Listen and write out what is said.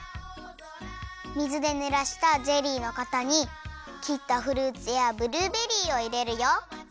水でぬらしたゼリーのかたにきったフルーツやブルーベリーをいれるよ！